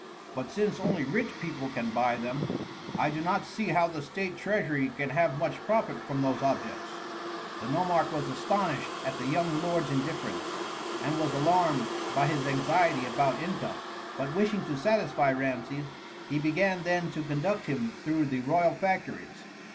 But since only rich people can buy them, I do not see how the state treasury can have much profit from those objects." The nomarch was astonished at the young lord's indifference, and was alarmed by his anxiety about income; but wishing to satisfy Rameses, he began then to conduct him through the royal factories.